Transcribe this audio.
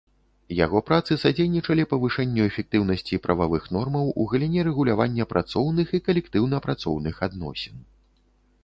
Яго працы садзейнічалі павышэнню эфектыўнасці прававых нормаў у галіне рэгулявання працоўных і калектыўна-працоўных адносін.